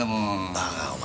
バカお前